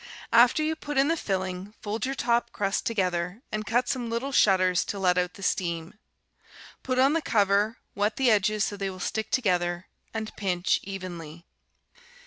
After you put in the filling, fold your top crust together and cut some little shutters to let out the steam. Put on the cover, wet the edges so they will stick together, and pinch evenly.